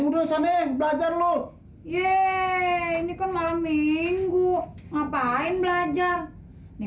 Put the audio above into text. ah mulai burung aja udah sane belajar loh ye ini kan malam minggu ngapain belajar nih